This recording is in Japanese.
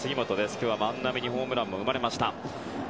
今日は万波にホームランも生まれました。